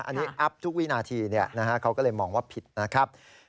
อันนี้อัพทุกวินาทีเขาก็เลยมองว่าผิดนะครับ